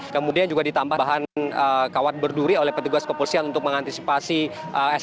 kemudian juga ditambah bahan kawat berduri oleh petugas kepolisian untuk mengantisipasi esensi